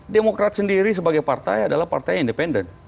demokrat sendiri sebagai partai adalah partai independen